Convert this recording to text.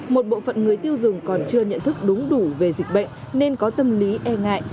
một bộ phận người tiêu dùng còn chưa nhận thức đúng đủ về dịch bệnh nên có tâm lý e ngại